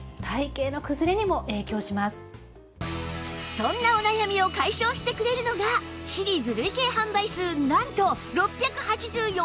そんなお悩みを解消してくれるのがシリーズ累計販売数なんと６８４万枚突破